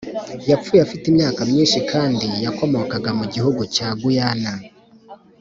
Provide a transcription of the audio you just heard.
yapfuye afite imyaka myinshi kandi yakomokaga mu gihugu cya Guyana